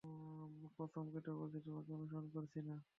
কসম কেটে বলছি তোমাকে অনুসরণ করছি না।